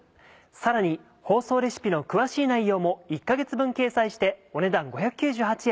さらに放送レシピの詳しい内容も１か月分掲載してお値段５９８円。